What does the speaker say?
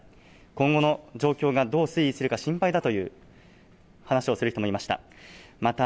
今後の状況がどう推移するか心配だという話をする人もいました。